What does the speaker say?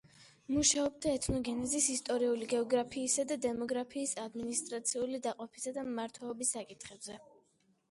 მუშაობდა ეთნოგენეზის, ისტორიული გეოგრაფიისა და დემოგრაფიის, ადმინისტრაციული დაყოფისა და მმართველობის საკითხებზე.